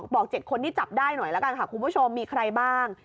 ๗คนที่จับได้หน่อยละกันค่ะคุณผู้ชมมีใครบ้าง